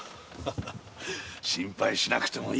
心配しなくていい。